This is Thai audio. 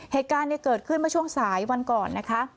เหตุการณ์เกิดขึ้นมาช่วงสายวันก่อน